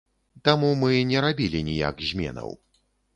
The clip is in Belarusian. Таму мы не рабілі ніяк зменаў.